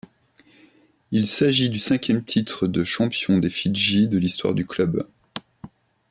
Il s'agit du cinquième titre de champion des Fidji de l'histoire du club.